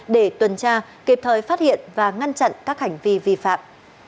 để tuần tra kịp thời phát hiện và ngăn chặn các hành vi vi phạm